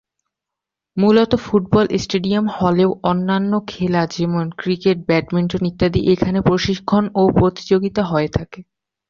মূলত football stadium হলেও অন্যান্য খেলা যেমন ক্রিকেট ব্যাডমিন্টন ইত্যাদি এখানে প্রশিক্ষণ ও প্রতিযোগিতা হয়ে থাকে।